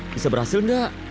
bisa berhasil gak